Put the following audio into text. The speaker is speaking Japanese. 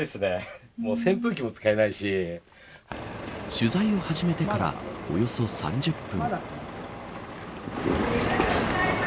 取材を始めてからおよそ３０分。